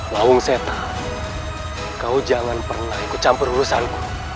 lawung seta kau jangan pernah ikut campur urusanku